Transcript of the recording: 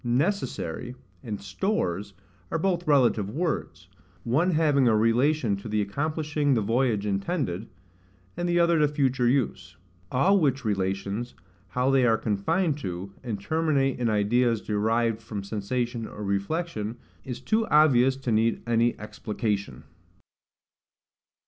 NECESSARY and STORES are both relative words; one having a relation to the accomplishing the voyage intended, and the other to future use. All which relations, how they are confined to, and terminate in ideas derived from sensation or reflection, is too obvious to need any explication.